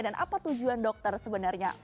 dan apa tujuan dokter sebenarnya